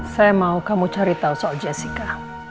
saya mau kamu cari tahu soal jessica